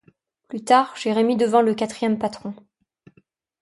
Plus tard, Jérémie devint le quatrième Patron.